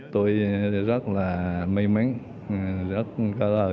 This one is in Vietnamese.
tôi rất là may mắn rất cảm ơn